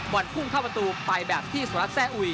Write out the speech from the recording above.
พุ่งเข้าประตูไปแบบที่สุรัสแซ่อุย